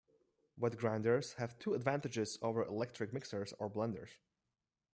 Wet grinders have two advantages over electric mixers or blenders.